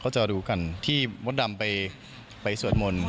ก็จะดูกันที่มดดำไปสวรรค์มนตร์